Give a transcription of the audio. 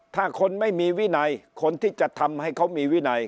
ถ้าคนไม่มีวินัยคนที่จะทำให้เขามีวินัย